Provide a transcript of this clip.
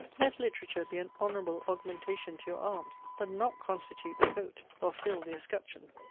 Let literature be an honourable augmentation to your arms; but not constitute the coat, or fill the escutcheon!